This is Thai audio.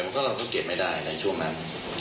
ก็เราก็เก็บไม่ได้ในช่วงนั้น